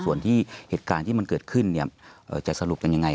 ส่วนที่เหตุการณ์ที่มันเกิดขึ้นจะสรุปกันยังไง